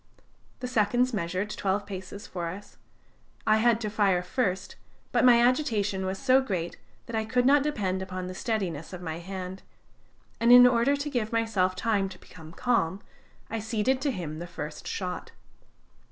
The seconds measured twelve paces for us. I had to fire first, but my agitation was so great, that I could not depend upon the steadiness of my hand; and in order to give myself time to become calm, I ceded to him the first shot.